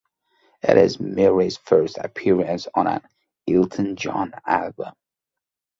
It is Murray's first appearance on an Elton John album.